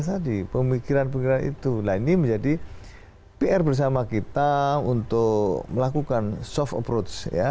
sadi pemikiran pemikiran itulah ini menjadi pr bersama kita untuk melakukan soft approach ya